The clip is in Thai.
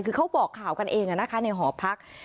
คือเขาบอกข่าวกันเองในหอพัก